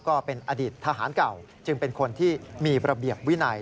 ก็เป็นอดีตทหารเก่าจึงเป็นคนที่มีระเบียบวินัย